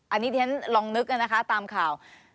อันนี้ที่ฉันลองนึกนะคะตามข่าว